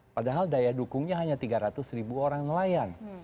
padahal daya dukungnya hanya tiga ratus ribu orang nelayan